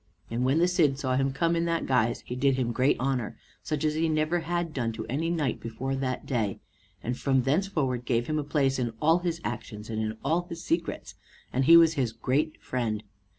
And when the Cid saw him come in that guise, he did him great honor, such as he never had done to any knight before that day, and from thenceforward gave him a place in all his actions and in all his secrets, and he was his great friend.